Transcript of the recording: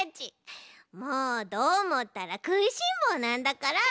もうどーもったらくいしんぼうなんだから！